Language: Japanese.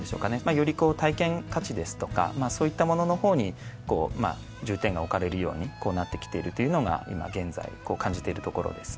より体験価値ですとかそういったものの方に重点が置かれるようになってきているというのが今現在感じているところですね。